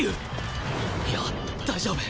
いや大丈夫